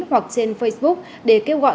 hoặc trên facebook để kêu gọi